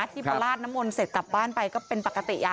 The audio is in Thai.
ที่ประลาดนมวลเสร็จกลับบ้านไปก็เป็นปกติอ่ะอ่า